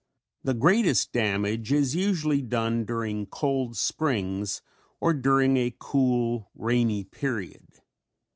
The greatest damage is usually done during cold springs or during a cool rainy period.